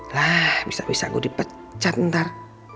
lah bisa bisa gue dipecat ntar